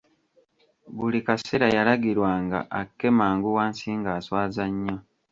Buli kaseera yalagirwanga akke mangu wansi ng'aswaza nnyo.